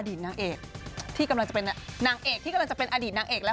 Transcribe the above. นางเอกที่กำลังจะเป็นนางเอกที่กำลังจะเป็นอดีตนางเอกแล้ว